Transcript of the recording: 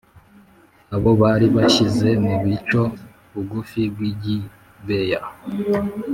abo bari bashyize mu bico bugufi bw i Gibeya